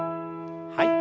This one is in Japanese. はい。